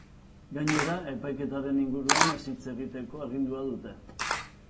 Gainera, epaiketaren inguruan ez hitz egiteko agindua dute.